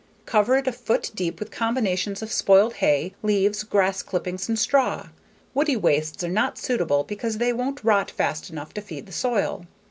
Cover it a foot deep with combinations of spoiled hay, leaves, grass clippings, and straw. Woody wastes are not suitable because they won't rot fast enough to feed the soil.